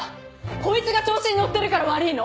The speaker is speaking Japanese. こいつが調子に乗ってるから悪ぃの！